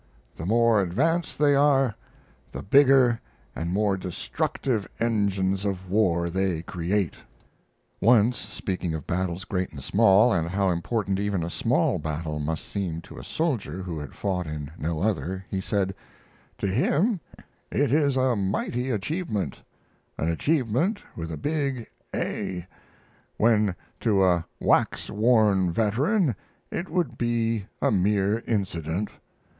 The more advanced they are, the bigger and more destructive engines of war they create." Once, speaking of battles great and small, and how important even a small battle must seem to a soldier who had fought in no other, he said: "To him it is a mighty achievement, an achievement with a big A, when to a wax worn veteran it would be a mere incident.